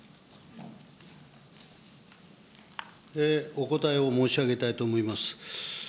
お答えを申し上げたいと思います。